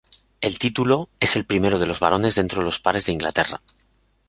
El título es el primero de los barones dentro de los pares de Inglaterra.